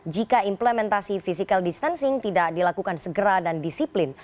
jika implementasi physical distancing tidak dilakukan segera dan disiplin